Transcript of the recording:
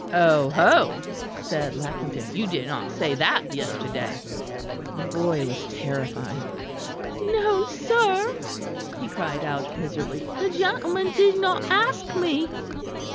"Oho!" said Lackington, "you did not say that yesterday." The boy was terrified. "No, sir," he cried out miserably, "the gentleman did not ask me."